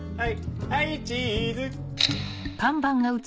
はい。